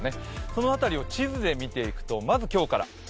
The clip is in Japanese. その辺りを地図で見ていくとまず今日から。